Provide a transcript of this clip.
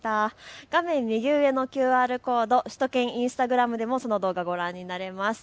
画面右上のＱＲコード、首都圏インスタグラムでもその動画、ご覧になれます。